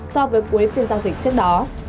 so với cuối phiên giao dịch trước đó